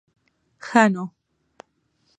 ښه نو.